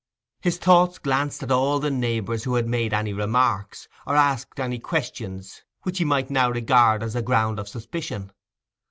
His thoughts glanced at all the neighbours who had made any remarks, or asked any questions which he might now regard as a ground of suspicion.